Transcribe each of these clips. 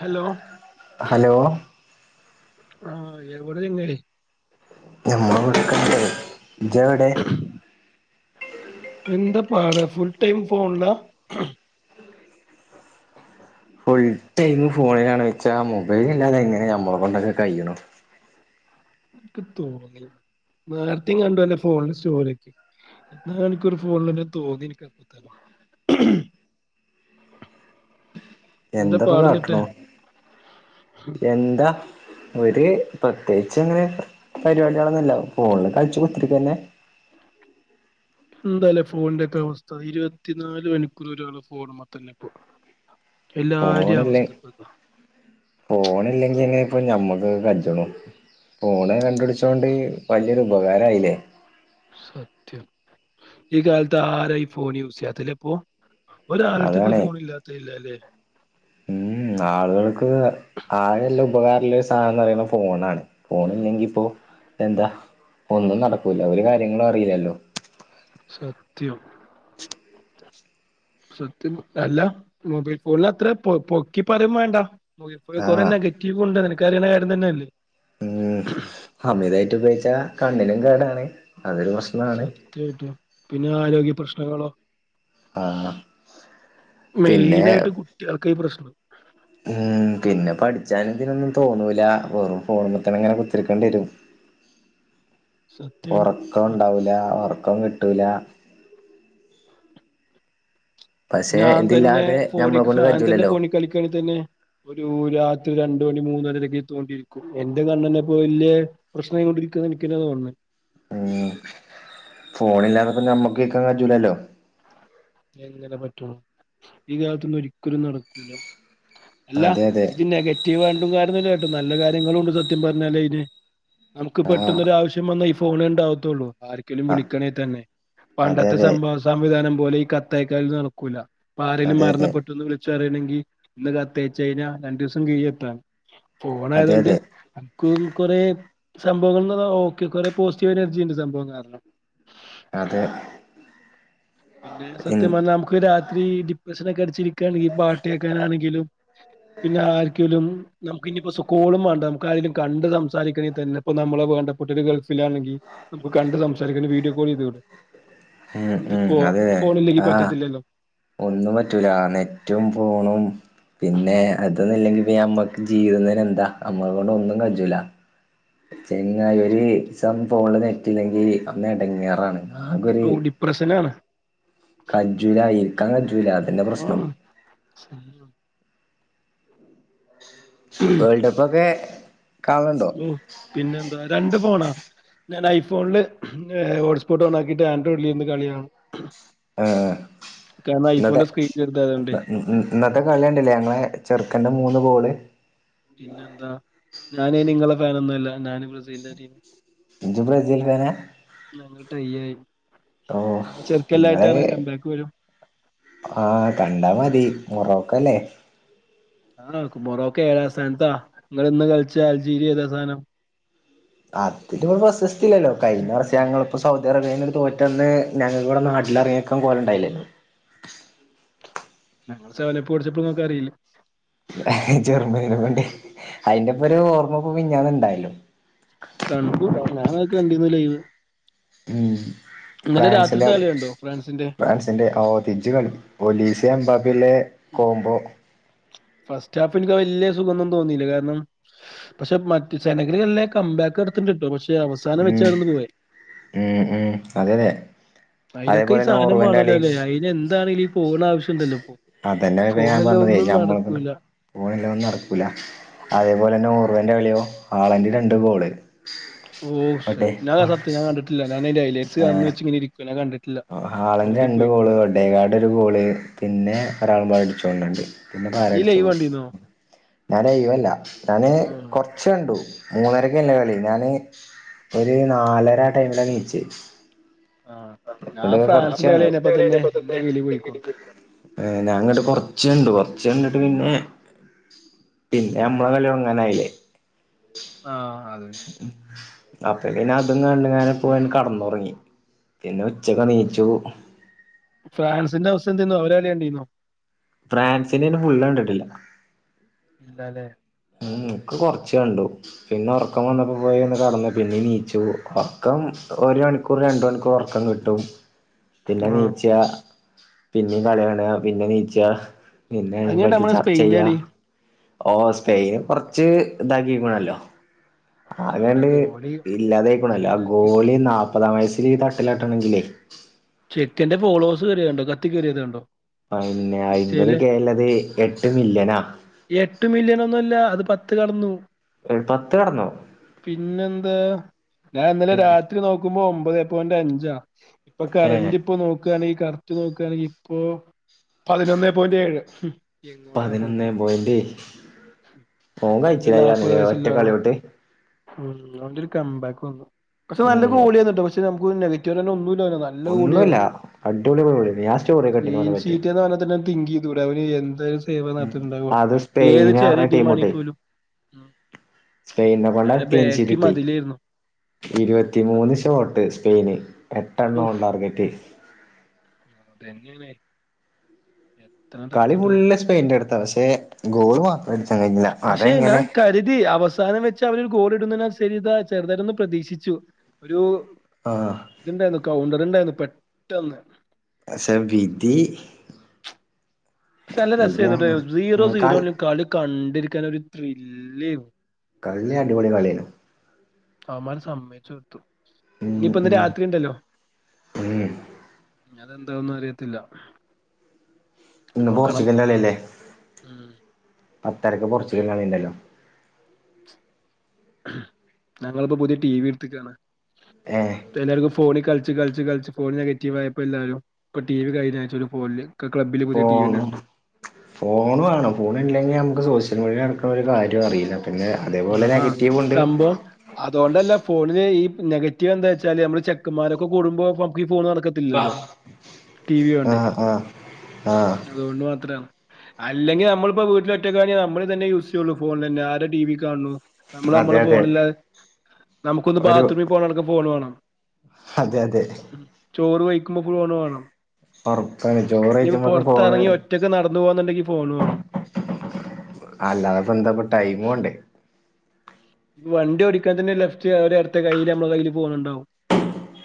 Hello hello ആ എവിടെങ്ങള് ഞമ്മളിവിടെക്ക ഉണ്ട് ഇജ് ഏടെ ഇപ്പോ എവിടെ ഫുൾ ടൈം ഫോണില്ല ഫുൾ ടൈം ഫോണിലാണ് വെച്ചാ മൊബൈൽ ഇല്ലാതെ എങ്ങനെ ഞമ്മളെകൊണ്ടൊക്കെ കയ്യ്ണു എനിക്ക് തോന്നി നേരത്തെയും കണ്ടുവല്ലെ അന്റെ ഫോണിൽ സ്റ്റോറി എന്ന എനിക്കരു ഫോണില തോന്നി എനിക്കപ്പതന്നെ എന്താ എന്താപ്പോ പാട് ന്നിട്ട് കാട്ട്ണു എന്താ ഒരു പ്ര പ്രത്യേകിച്ച് അങ്ങനെ പരിപാടികളൊന്നുമല്ല ഫോണില് കളിച്ചു കുത്തിരിക്കന്നെ എന്താല ഫോണിന്റെ ഒക്കെ അവസ്ഥ ഇരുപത്തിനാല് മണിക്കൂർ ഒരാള് ഒരു ആള് ഫോൺമ്മ് തന്നെ ഇപ്പം ഫോണല്ലെ ഫോണില്ലെങ്കിൽെ ഇപ്പൊ ഞമ്മക്ക് കജ്ണ് ഫോണ് കണ്ട് പിടിച്ചോണ്ട് വലിയൊരു ഉപകാരയിലെ സത്യം ഈ കാലത്ത് ആര ഈ ഫോണ് യൂസെയ്യാത്തെലെ ഇപ്പോ ഒരാളട്ത്തിപ്പോ അതാണേ ഫോൺ ഇല്ലാത്തതില്ലാലെ മ് ആളുകൾക്കു ആരെല്ലാം ഉപകാരുള്ള ഒരു സാനന്ന് പറയുന്ന ഫോണാണ് ഫോൺ ഇല്ലെങ്കിപ്പോ എന്താ ഒന്നും നടക്കൂല ഒരു കാര്യങ്ങളും അറിയില്ലല്ലോ സത്യം സത്യം അല്ല മൊബൈൽ ഫോണിനെ അത്ര പൊ പൊക്കി പറയും വേണ്ട കുറേ ആഹ് നെഗറ്റീവ് ഉണ്ടതിന് [unintelligible] ക്കറിയണ കാര്യം തന്നല്ലേ ഉം അമിതായിട്ട് ഉപയോഗിച്ചാ കണ്ണിനും കേടാണ് അതൊരു പ്രശ്നാണ് സത്യായിട്ടും പിന്നെ ആരോഗ്യ പ്രശ്നങ്ങളോ ആഹ് പിന്നെ മെയിനായിട്ട് കുട്ടികൾക്കായി പ്രശ്നം ഉം പിന്നെ പഠിച്ചാൻ ഇതിനൊന്നും തോന്നൂല വെറും ഫോണുമെത്തന്നെ ഇങ്ങനെ കുത്തിരിക്കേണ്ടി വരും സത്യാണ് ഒറക്കം ഉണ്ടാവൂല ഒറ ക്കം കിട്ടൂല പക്ഷെ ഞാൻ തന്നെ ഇതില്ലാതെ ഞമ്മളെ ഫോണിക്ക്‌ കൊണ്ട് ഞാൻ തന്നെ കജൂലല്ലോ ഫോണിൽ കളിക്കാണെങ്കി തന്നെ ഒരു ഒരു രാത്രി രണ്ട് മണി മൂന്നുമണിവരൊക്കെ തോണ്ടിയിരിക്കും എന്റെ കണ്ണന്നെ ഇപ്പോ വല്ല്യേ പ്രശ്നായി കൊണ്ടിരിക്കാന്ന് എനിക്കെന്നെ തോന്നുന്ന ഉം ഫോണില്ലാതപ്പോ ഞമ്മക്കും ഇരിക്കാൻ കയിജൂലല്ലോ എങ്ങനെ പറ്റും ഈ കാലത്തൊന്നും ഒരിക്കലും നടക്കൂല അല്ല അതെ അതെ ഇത് നെഗറ്റീവ് ആയിണ്ടും കാര്യ കേട്ടോ നല്ല കാര്യങ്ങളുണ്ട് സത്യം പറഞ്ഞാലേ അയിനെ നമുക്ക് ആ പെട്ടന്നൊരു ആവശ്യം വന്നാ ഇ ഫോണെണ്ടാവത്തുള്ളൂ ആർക്കേലും വിളിക്കണേ തന്നെ അതെ പണ്ടത്തെ അതെ സംഭവ സംവിധാനം പോലെ കത്തയിക്കല് നടക്കൂല ഇപ്പാരേലും അതെ അതെ അതെ മരണപ്പെട്ടൂന്ന് വിളിച്ച് പറയണമെങ്കിൽ ഇന്ന് കത്തയച്ച കഴിഞ്ഞാൽ രണ്ടു ദിവസം കഴിയും എത്താൻ അതെ ഫോണായതൊണ്ട് അതെ ക്കൂക് കൊറേ സംഭവങ്ങളന്ന് ഓക്കെ കൊറേ പോസിറ്റീവ് എനർജി ഉണ്ട് സംഭവം കാരണം അതെ പിന്നെ സത്യം പറഞ്ഞാൽ നമുക്ക് രാത്രി ഡിപ്രഷനൊക്കെ അടി ച്ച് ഇരിക്യാണെങ്കിൽ പാട്ട് കേക്കാനാണെങ്കിലും പിന്നെ ആർക്കേലും നമുക്ക് ഇനിയിപ്പോ കോളും വേണ്ട നമുക്ക് ആരേലും കണ്ട് സംസാരിക്കണേ തന്നെ ഇപ്പ നമ്മളെ വേണ്ടപ്പെട്ടവര് ഗൾഫിലാണെങ്കിൽ നമുക്ക് കണ്ട് സംസാരിക്കണെ വീഡിയോ കോൾ ചെയ്തുടേ ഉം ഉം ഫോ അതെ ഫോണില്ലേങ്കി ആ പറ്റത്തില്ലല്ലോ ഒന്നും പറ്റൂല നെറ്റും ഫോണും പിന്നെ അത് ക്കി അമ്മക്ക് ജീവുന്നന് എന്താ അമ്മ കൊണ്ട് ഒന്നും കജൂല പിന്ന ഒരു ദിവസം ഫോണിൽ നെറ്റില്ലെങ്കിൽ അന്ന് ഇടങ്ങേറാണ് ഓ ഡിപ്രഷനാണ് കജുലാ യിരിക്കാൻ കജ്ജുല അതന്നെ പ്രശ്നം ആഹ് വേൾഡ് കപ്പൊക്കെ കാണലുണ്ടോ ഉം പിന്നെന്താ രണ്ട് ഫോണാ ഞാൻ ഐഫോണില് ഹോട്ട്സ്പോട്ട് ഓൺ ആക്കിട്ട് ആൻഡ്രോയിഡിൽ ഇരുന്ന് കളികാണും ആ ഐഫോന്റെ സ്ക്രീൻ ചെറുതായതുകൊണ്ടേ ഇന്നത്തെ കളികണ്ടില്ലേ ഞങ്ങളെ ചെറുക്കന്റെ മൂന്ന് ഗോള് [inaudible] പിന്നെന്താ ഞാന് നിങ്ങളെ ഫാൻ ഒന്നുംല്ല ഞാന് ബ്രസീലിന്റെ ടീം നിങ്ങള് ബ്രസീൽ ഫാന ഞങ്ങൾ ടൈ ആയി ഓ ഞങ്ങൾ ചെറുക്കല്ലായിട്ടാണ് നിങ്ങള് കംബാക്ക് വരും ആ കണ്ടാ മതി മുറോക്കല്ലേ ആ മൊറോക്കെ ഏഴാം സ്ഥാന എന്താ നിങ്ങള് ഇന്ന് കളിച്ച അൽജീരിയ ഏതാ സഥാനം അതിന് പ്രശസ്തി ഇല്ലല്ലോ ഉം. കഴിഞ്ഞ വർഷം ആയി. ഞങ്ങളിപ്പ -സവുജ എറുന്നൊരു തോറ്റന്ന് ഞങ്ങൾ ഇവിടെ നാട്ടിൽറങ്ങേക്കാൻ പോല ഇണ്ടായില്ലല്ലോ ഞങൾ സേവനപ്പ് കുടിച്ചപ്പോ നിങ്ങക്ക് അറിയില്ലേ ജർമ്മന് വേണ്ടി അതിന്റെപ്പ ഒരു ഓർമ്മപ്പ് മിനിഞ്ഞാന്ന് ഇണ്ടായല്ലോ കണ്ടു ഞാനക്കെ കണ്ടിരുന്ന് ലൈവ് ഉ [unintelligible] ഇന്നലെ ഫ്രാൻസിന്റെ രാത്രിത്തെ കളി കണ്ടോ ഫ്രാൻസിന്റെ കളി [unintelligible] [unintelligible] ബിലെ ഉം. കോംബോ ഫസ്റ്റ് ഹാഫ് എനിക്ക് വലിയ സുഖവൊന്നും തോന്നിയില്ല കാരണം പക്ഷെ മറ്റ് സെനഗല്ല കംബാക്ക് നടത്ത്‌ണ്ട്ട്ടോ പക്ഷ പക്ഷെ അവസാനം ഉം വെച്ചന്ന് പോയെ ഉം ഉം അതെതെ അയിനൊക്കെ ഈ അതേപോലെ സാധനം നോർവേന്റെ വേണല്ലോ കളി അല്ലെ അയിന് എന്താണ പോകണ ആവശ്യംണ്ടല്ലോ അതന്നെ ഞാൻ പറഞ്ഞത് ഞമ്മള പോല്ല ഒന്നും നടക്കൂല അതേപോലെ തന്നെ അന്റെ കളിയോ ആളന്റെ രണ്ട് ഗോള് ഓ ഒടെ സെറ്റ് ഞ സത്യംഞാ കണ്ടിട്ടില്ല ന്ന് ഡയലൈറ്റ്സ് അന്ന് വെച്ച് ഇങ്ങന ഇരിക്കണ കണ്ട്‌ട്ടാ ഹാളന്റെ രണ്ടു ഗോള് ഒഡേഗാട് ഒരു ഗോള് പിന്നെ ഒരാളുംപാടടിച്ചോണ്ടണ്ട് ഇയ്യ് ലൈവ് പിന്നെപ്പാരടിച്ചതൊ കണ്ടീന്നോ? ഞാൻ ലൈവല്ല ഞാന് ആഹ്. കൊർച്ച് കണ്ടു. മൂന്നരക്കല്ലേ കളി ഞാന് ഒര് നാലര ആ ടൈമിലാ നീച്ചേ. ആഹ്. ഞാൻ ഫ്രാൻസിന്റെ കളി കൊർച്ചണ്ടു കഴിഞ്ഞപ്പോ തന്നെ എന്റെ കിളി പോയിക്കുണു. ഞാന്നട്ട് കൊർച്ചണ്ടു. ച്ചണ്ട്ട്ട് പിന്നെ പിന്നെ അമ്മളെ കളി തൊട്ങ്ങാനായില്ലേ. ആഹ് അതെ അപ്പൊ പിന്നെ അതും കണ്ട്‌കാണ്ട് പോയാണ്ട് കടന്നൊർങ്ങി പിന്നെ ഉച്ചക്ക് നീച്ചു ഫ്രാൻസിന്റെ അവസ്ഥന്തേന്നു അവരെളി കണ്ടീന്നോ? ഫ്രാൻസിന്റെയ്ന് ഫുള്ള് കണ്ട്ട്ട്ല്ല ഇല്ലാലേ ഉം ക്ക് കൊർച്ച് കണ്ടു പിന്നെ ഒറക്കം വന്നപ്പാെ പോയി ഒന്ന് കടന്ന് പിന്നിം നീച്ചു ഒർക്കം ഒര് മണിക്കൂറ് രണ്ട്‌ മണിക്കൂറ് ഒർക്കം കിട്ടും പിന്നെ ആഹ്. നീച്ചാ പിന്നിം കളി കാണാ പിന്നെ നീച്ചാ പിന്നെ അത് അയ്നെ കഴിഞ്ഞിട്ടാ പറ്റി നമ്മളെ സ്പെയിന്റെ ചർച്ചെയ്യാ കളി. ഓസ് തെയ്യം കൊറച്ച് താക്കികുണല്ലോ അവരെ ആകണ്ട് ഗോളി ഇല്ലാതായ്ക്കുണല്ലോ ആ സീനാക്കി എടുത്തു ഗോളി നാപ്പ താം വയസ്സ്ല് ഈ തട്ടലട്ടണെങ്കിലേ ചെക്കന്റെ ഫോളോവേഴ്സ് കേറ്യേകണ്ടോ കത്തിക്കേറ്യേത് കണ്ടോ പയ്ന്നെ അയ്മ്പത് ഇൻസ്റ്റയില് കേ ല്ലത് എട്ട് മില്യനാ ത്ത് കടന്നു പത്ത് കടന്നോ പിന്നെന്താ ഞാൻ ഇന്നലെ രാത്രി നോക്ക്മ്പോ ഒ മ്പതേ പോയിന്റ് അഞ്ചാ ഇപ്പൊ ഏ കറന്റ് ഇപ്പോ നോക്കാണെങ്കി കറ നോക്കുകയാണെങ്കിൽ ഇപ്പോ പതിനൊന്നേ പോയിന്റ് ഏഴ് എങ്ങോട്ടാ പോക്ക് പതിനൊന്നേ പോയിൻ്റ് ഓൻ ഒരു നാപ്പത് [unintelligible] ഒറ്റ വയസ്സുള്ള കളിയോണ്ട് കംമ്പാക്ക് വന്നു പക്ഷെ നല്ല ഗോളിയന്നൂട്ടോ പക്ഷെ നെഗറ്റീവ്ന്നെ ഒന്നും ഒന്നുല്ല അടിപൊളി ഗോളി ഞാൻ സ്റ്റോറിയൊക്കിട്ടീനു ക്ലീൻ ഓനെ പറ്റി ഷീറ്റ് എന്ന് പറഞ്ഞാൽ തന്നെ തിങ്ക് ചെയ്തൂടെ അവന് എന്തായാലും സേവ നടത്തിട്ടുണ്ടാവ അത് ഏത് സ്പെയിന് ചെറിയ പറഞ്ഞ ടീമാണെ ടീമുണ്ട് പോലും ഉം സ്പെയിനെ പിന്നെ കൊണ്ട അവരെ ക്ലൻച്ച് ബാക്കി കിട്ടി മതിലായിരുന്നു ഇരുപത്തിമൂന്ന് സത്യം ഷോട്ട് സ്പെയിന് എട്ടണം ഉണ്ടാർഗെറ്റ് അതെന്നെയാണ് കളി ഫുൾ സ്പെയിന്റെടുത്ത പക്ഷെ ഗോള് മാത്ര പക്ഷേ ഞാൻ കരുതി അവസാനം വെച്ച് അവരൊരു ഗോൾ ഇടുന്ന് ശരി ഇതാ ചെറുതായിട്ടൊന്ന് പ്രതീക്ഷിച്ചു ഒരു ആഹ് ഇതിണ്ടായിന്നു കൗണ്ട തുണ്ടായിന്ന് പെട്ടന്ന് പക്ഷെ വിധി പക്ഷെ നല്ല രസനുട്ടൊ വിധിയാണ് സീറോ ഉം സീറോയിൽ കളി കണ്ട ണ്ടിരിക്കാൻ ഒരു ത്രില്ലെനു കളി അടിപൊളി കളെയ്നു അവമ്മാരെ സമ്മയ്ച്ചൊട്ത്തു ഇനിയിപ്പ ഉം ഇന്ന് ഉം രാത്രി ഇണ്ടല്ലോ ഉം അതെന്താന്നും അറിയത്തില്ല ഇന്ന് നോക്കണം പോർച്ചുഗല്ലിന്റെകളിയല്ലേ ഉം അ [unintelligible] പോർച്ചുകല്ലിന്റെ കളിയല്ലല്ലോ ഞങ്ങളിപ്പോ പുതിയ ടി വി ട്ത്ത്ക്കാണ് ഏ ഇപ്പെല്ലാർക്കും ഫോണി കളി ച്ച് കൾച്ച് കൾച്ച് ഫോണ് നെഗറ്റീവായപ്പോ എല്ലാരും ഇപ്പൊ ടി വി കയിഞ്ഞഴ്‌ച്ചൊരു ഫോണില് ക്ലബ്ബില് പുതിയ ടി വി തന്നെ ഫോണ് എടുത്തു ഫോണ് വേണം ഫോൺ ഇല്ലെങ്കിൽ നമക്ക് സോഷ്യൽ മീഡിയ നടക്ക് ണ ഒരു കാര്യോറില്ല ആ സംഭവം അതോണ്ടല്ല ഫോണില് ഈ നെഗറ്റീവെന്താ ച്ചാൽ നമ്മള് ഈചെക്കമാരൊക്കെ കൂടുമ്പോ [unintelligible] ഫോണോ ളൊ ബ ആ ആ ആ അതുകൊണ്ട് മാത്രാണ് അല്ലെങ്കി നമ്മള്പ്പോ വീട്ടിലൊറ്റക്കാനെങ്കി നമ്മളിതെനെ യൂസെയ്യൊള്ളൂ ഫോണെന്നെ ആരാ ടി വി കാണു നമ്മള് അതെ നമ്മളെ അതെ ഫോണില്ലാതെ നമുക്കൊന്ന് ഒരു ബാത്റൂമി പോണ ടെക്കെ ഫോണ് വാണം അതെ അതെ ഉം ചോറ് വെയ് ക്ക് മ്മക്ക്‌ ഫോണ് വാണം ഓർപ്പാണ് ച്ചോറ്യെച്ചുമ്പൊക്കെ ഫോണ് ഒറ്റക്ക് നടന്നു പോവാന്നുണ്ടെങ്കി ഫോൺ വേണം അല്ലാതെ പ്പെന്താപ്പം ടൈമോണ്ടേ വണ്ടി ഓടിക്കാൻ തന്നെ ലെഫ്റ്റ് വരെ എടത്തെ കയ്യില് അമ്മളെ കയ്യില് ഫോണ് ണ്ടാവും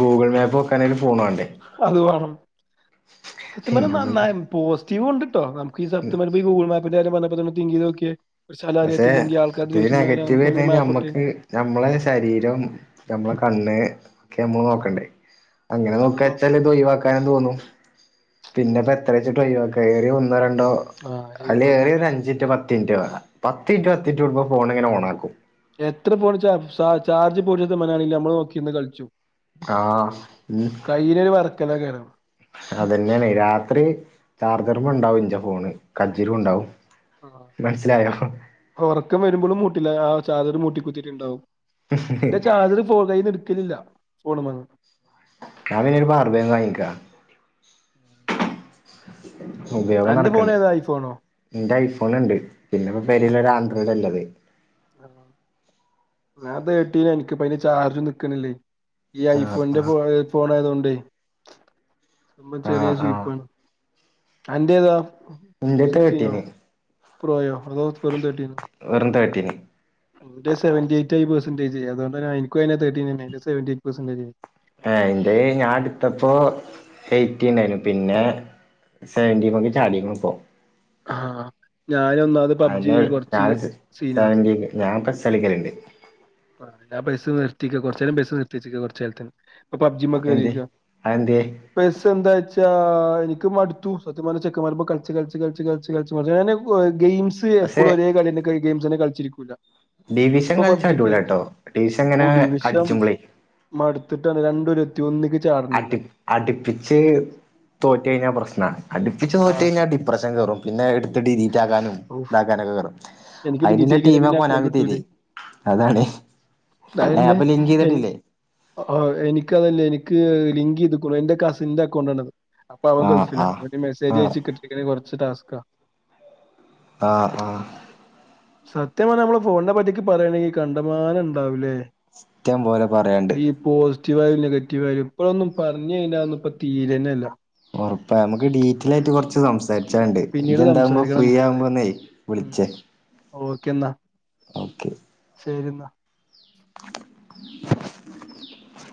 ഗൂഗ്ൾ മാപ്പോക്കാണേലും ഫോണ് വാണ്ടേ സത്യംപർഞ്ഞാ നന്നായാണ് പോസ് സ്റ്റീവ ഉണ്ട്ട്ടിട്ടോ സത്യം പറഞ്ഞാ ഈ ഗൂഗിൾ മാപ്പ് പ്പിൻ്റെ കാര്യംവന്നപ്പ തന്നേ തിങ്ക് ചെയ്ത് നോക്കെ ഒരു സ്ഥലം അറിയത്തില്ലെങ്കിൽ ആൾ ഈ നെഗറ്റീവ് വ നമ്മക്ക് നമ്മളെ ശരീരം നമ്മളെ കണ്ണ് ഒക്കെ നമ്മള് നോക്കണ്ടേ അങ്ങനെ നോക്ക അതും വച്ചാല് നോക്കണം ഇതൊഴ്വാക്കാനെന്ന് തോന്നും പിന്നെപ്പോ എത്ര ട്ടയ്യോ കയറി വന്നു ഒന്നോ രണ്ടോ ആ അല്ലേ ജൈവാക്കണം ഏറിയ ഒരു അഞ്ചിറ്റ് പത്തിന് റ്റ് വേണം പത്തിൻ റ്റ് പത്തിൻ റ്റ് കൂടുമ്പോ ഫോൺ നങ്ങനെ ഓണാക്കും എത്ര പോ ചാ ചാർജ് പോര്ന്ന മനാളേലും നമ്മള് നോക്കിന്ന് കളിച്ചു ആഹ് ഉം കലാകാരാണ് അതന്നെയാണ് രാത്രി ചാർജറുമേ ഉണ്ടാവും ഇഞ്ചോ പോണ് കജ്ജിരും ഉണ്ടാവും ആ മനസ്സിലായോ ഓർക്ക് [unintelligible] മുട്ടിക്കുത്തീട്ടുണ്ടാവും എന്റെ ചാർജർ ഫോൺ കൈയിന്നെടുക് ട്ടില്ല ഫോണുമങ്ങ് ഞാനുമിനി ഒരു പാർവേന്ന് വാങ്ങിക്കാ ഉപയോഗം എന്റെ ഫോൺ നടക്കണ്ടേ ഏതാ ഐഫോണോ എന്റൈസ് പണോണ്ട് പിന്നെപ്പ പെരിയല ഒരു ആൻഡ്രോയ്ഡ് അല്ലത് ഞാ തേട്ടീയാ എനിക്ക്പ ല് ചാർജ് നിക്കണില്ലേ ഈ ആഹ് ഐഫോൺന്റെ ആഹ് ഫോൺ ആയതോണ്ട് [unintelligible] സമ്മം ആഹ് ചെറിയര ആഹ് സ്വീപ്പാണ് അന്റേതോ എന്റെയട്ക്കാ കെട്ടീന് പ്രോയോ അർദോസ്ഫറും തേറ്റീന്നും തിനി വന്റെ സെവന്റിഎയ്റ്റ് പേർസെന്റ് ഇത് ചെയ്യാത്തോണ്ട് ന്ന എനിക്കും തേട്ടിനയൻ സെവന്റിഎയിറ്റ് പേർസന്റേജായി ആ എന്റെ ഞാൻ എടുത്തപ്പോ എയ്റ്റീ ആയിരുന്നു പിന്നെ സെവന്റീ മക്ക്ചാടിയ്ക്ണിപ്പോ ആഹ് ഞാൻ ഒന്നാത് പബ്ജി അയിന് ആയി കൊറച്ച് സീനാ- സലിക്കലുണ്ട് അല്ലാ പൈസ നഷ്ട തിക കുറച്ച് നേരം ബസ്- ഉച്ചക്ക് കൊച്ച് കാലത്തിന് എന്തെ പബ്ജിമോകേറിക്കാണ് അതെന്തേ പൈസ എന്താച്ച എന്താഎനിക്ക് മടുത്തു സത്യം ചെക്ൻമാരേപ്പംകളിച്ച് കളിച്ച് കളിച്ച് കളിച്ച് മട് ഗെയിംസ് പക്ഷെ എപ്പോഴും ഒരേ കളി കഴി ഗെയിമ്സിനെ കളിച്ചിരിക്കൂല്ല ഡിവിഷൻ കളിച്ചാൽ അടി പൊളിയാട്ടൊ ടോ തിരിച് അങ്ങനെ അടിച്ചുമ്പോളെ എന്നിട്ട്‌ രണ്ടു ഒരു എത്തിയോ ഒന്നിക്ക് ചാടണില്ല അടുപി അടുപ്പിച്ച് തോറ്റ് കഴിഞ്ഞാൽ പ്രശ്നം ആ അടുപ്പിച്ച് തോറ്റ് ആഹ് കഴിഞ്ഞാൽ ഡിപ്രഷൻ കയറും അത് എല്ലാ [unintelligible] ഇപ്പോ ഡിലിറ്റാക്കാനും ഇതാക്കാനൊക്കെ കേറും എനിക്കിത് അയിന്ള്ള കീട്ടക്ക ടീമാ പിന്നെ കൊനാമി തരേ കൊണ്ടിട്ടല്ലേ അതാണ് ഏ അന്നെ അപ്പൊ ലിങ്ക് ചെയ്തിട്ടില്ലേ ആ എനിക്കതല്ലേ എനിക്ക് എനിക്ക് ലിങ്ക്ചെയ്തേക്കുന്നു എന്റെ കസ്സിന്റെ അക്കൗണ്ട് ആണത് അപ്പൊ അവൻ ആഹ് ഗൾഫില്ല ആഹ് അവ മെസേജ് ആഹ് അയച്ചച്ച് കിട്ടി കുറച്ച് ടാസ്ക് ക്ക ആഹ് ആഹ് സത്യം പറഞ്ഞാൽനമ്മള് ഫോണിനെ പറ്റിട്ട് പറയയാണെങ്കിൽ കണ്ടമാനം ഉണ്ടാവുമല്ലേ ഇഷ്ടംപോലെ പറയാണ്ട് ആക്റ്റിആയാലും നെഗറ്റീവ് ആയാലും ഇപ്പോളൊന്നും പറഞ്ഞകഴിഞ്ഞാൽ തീരുക തന്നെ ഇല്ല ഉറപ്പ നമുക്ക് ഡീറ്റെൽ ആയിട്ട് കുറച്ച് സം ഉം സംസാരിച്ചണ്ട് നി പിന്നീട് എന്താകുമ്പോ സംസാരിക്കണം ഫ്രീ നമുക്ക് ആവുമ്പോ ഏതായാലും ഉം ഒന്നെവിളിച്ചേ ഓക്കെ എന്നാ ഓക്കെ ശരി എന്നാ [inaudible]